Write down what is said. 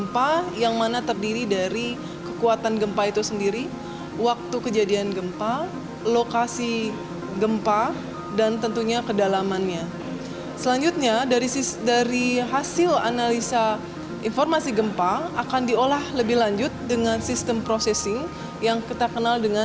berita terkini dari bukit bintang